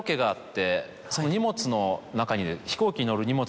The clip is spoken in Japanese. その荷物の中に。